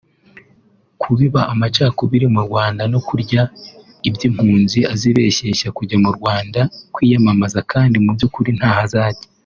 kubiba amacakubiri mu banyarwanda no kurya iby’impunzi azibeshyeshya kujya mu Rwanda kwiyamamaza kandi mubyukuri ntaho azajya